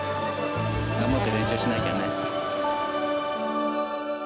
頑張って練習しなきゃね。